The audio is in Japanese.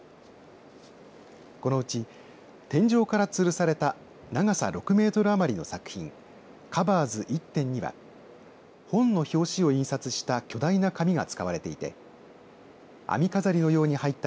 このうち、天井からつるされた長さ６メートル余りの作品ＣＯＶＥＲＳ１．２には本の表紙を印刷した巨大な紙が使われていて編み飾りのように入った